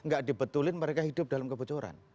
gak dibetulin mereka hidup dalam kebocoran